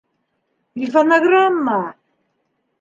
Телефонограмма!